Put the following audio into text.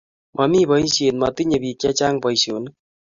mamii boisie, matinyei biik che chang' boisionik